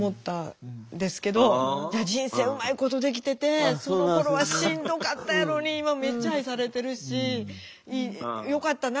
いや人生うまいことできててそのころはしんどかったやろに今めっちゃ愛されてるしよかったなあと思いましたよ。